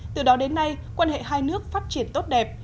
từ đó đến nay quan hệ hai nước phát triển tốt đẹp